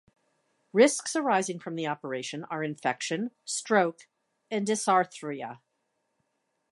Risks arising from the operation are infection, stroke and dysarthria.